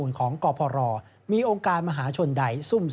ซึ่งกลางปีนี้ผลการประเมินการทำงานขององค์การมหาชนปี๒ประสิทธิภาพสูงสุด